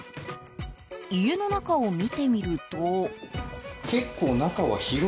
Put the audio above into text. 家の中を見てみると。